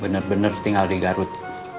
bener bener tinggal di garut